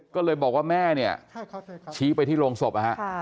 ก็เลยบอกว่าแม่เนี่ยชี้ไปที่โรงศพนะฮะ